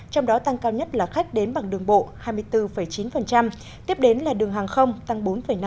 trong đó tăng cao nhất là khách đến bằng đường bộ hai mươi bốn chín tiếp đến là đường hàng không tăng bốn năm